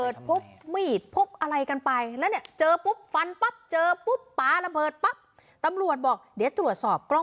ถ้าง้าน้ำอ๋อแล้วก็ผลาระเบิดบริปอกไรก็เป็น